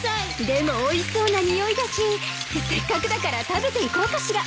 でもおいしそうな匂いだしせっかくだから食べていこうかしら。